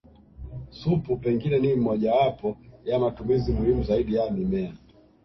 Supu pengine ni mmojawapo ya matumizi muhimu zaidi ya mimea